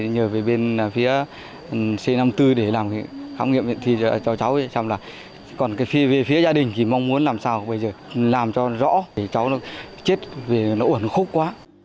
nhờ về bên phía c năm mươi bốn để làm khám nghiệm cho cháu còn về phía gia đình thì mong muốn làm sao bây giờ làm cho rõ cháu chết vì nó ổn khúc quá